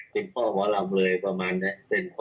เป็นพ่อหมอลำเลยประมาณนี้